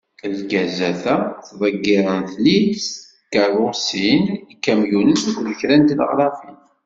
Lgazat-a, ttḍeggirent-ten-id tkerrusin, ikamyunen akked kra n tneɣrafin.